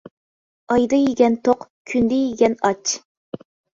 ئايدا يېگەن توق، كۈندە يېگەن ئاچ.